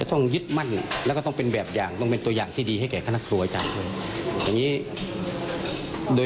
ว่ายุดมั่นแล้วต้องเป็นแบบอย่างตัวอย่างที่ดีให้คลุยให้ครั้งครัว